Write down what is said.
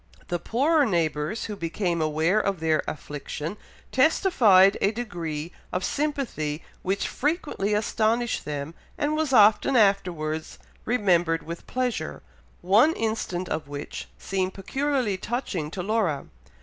The poorer neighbours, who became aware of their affliction, testified a degree of sympathy which frequently astonished them, and was often afterwards remembered with pleasure, one instance of which seemed peculiarly touching to Laura.